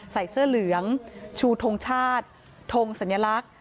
ใส่เสื้อเหลืองชูทงชาติทงสัญลักษณ์